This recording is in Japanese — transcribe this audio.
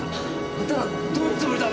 あんたらどういうつもりだ。